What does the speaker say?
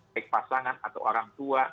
baik pasangan atau orang tua